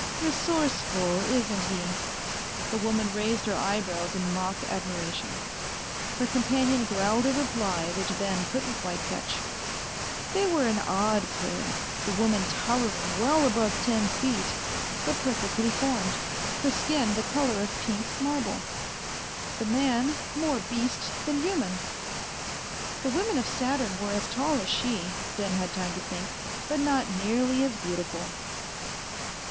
"Resourceful, isn't he?" The woman raised her eyebrows in mock admiration. Her companion growled a reply which Ben couldn't quite catch. They were an odd pair, the woman towering well above ten feet but perfectly formed, her skin the color of pink marble; the man more beast than human. The women of Saturn were as tall as she, Ben had time to think, but not nearly as beautiful.